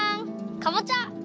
かぼちゃ！